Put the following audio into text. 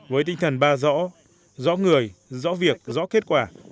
với tinh thần ba rõ rõ người rõ việc rõ kết quả